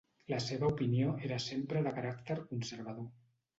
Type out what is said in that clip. La seva opinió era sempre de caràcter conservador.